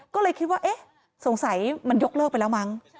ก็เลยคิดว่าเอ๊ะสงสัยมันยกเลิกไปแล้วมั้ง